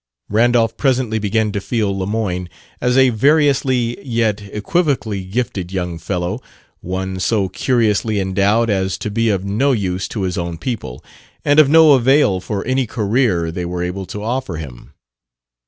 Randolph presently began to feel Lemoyne as a variously yet equivocally gifted young fellow one so curiously endowed as to be of no use to his own people, and of no avail for any career they were able to offer him.